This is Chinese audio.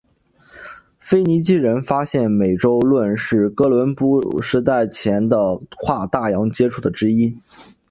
腓尼基人发现美洲论是哥伦布时代前的跨大洋接触的之一。